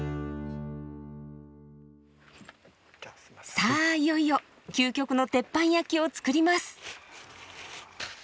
さあいよいよ究極の鉄板焼きを作ります。